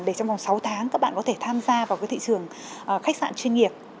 để trong vòng sáu tháng các bạn có thể tham gia vào cái thị trường khách sạn chuyên nghiệp